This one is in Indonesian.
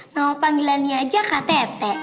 nama panggilannya aja ktt